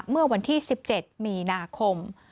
เมื่อวันที่๑๗มีนาคม